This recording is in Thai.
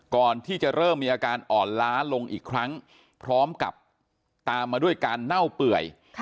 ก่อนที่จะเริ่มมีอาการอ่อนล้าลงอีกครั้งพร้อมกับตามมาด้วยการเน่าเปื่อย